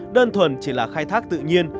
đơn thuần chỉ là khai thác tự nhiên